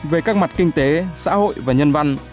về các mặt kinh tế xã hội và nhân văn